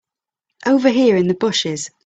Over here in the bushes.